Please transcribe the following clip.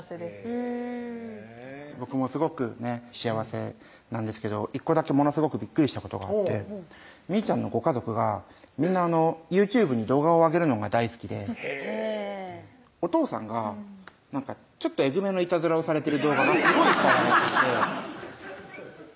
へぇ僕もすごくね幸せなんですけど１個だけものすごくびっくりしたことがあってみーちゃんのご家族がみんなＹｏｕＴｕｂｅに動画をあげるのが大好きでおとうさんがちょっとえぐめのいたずらをされてる動画がすごいいっぱいあがっててハハハ